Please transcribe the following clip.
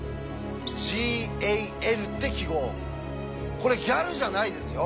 これ「ギャル」じゃないですよ。